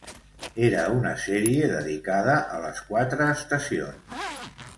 Era una sèrie dedicada a les quatre estacions.